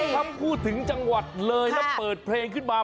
ถ้าพูดถึงจังหวัดเลยแล้วเปิดเพลงขึ้นมา